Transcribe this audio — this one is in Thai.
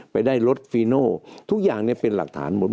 ไปได้รถฟีโน่ทุกอย่างเนี่ยเป็นหลักฐานหมด